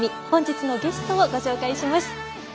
本日のゲストを紹介します。